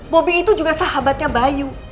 bobi itu juga sahabatnya bayu